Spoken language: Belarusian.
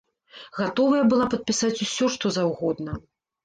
Гатовая была падпісаць усё што заўгодна!